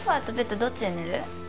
どっちで寝る？